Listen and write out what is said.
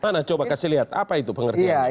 nah coba kasih lihat apa itu pengerjaannya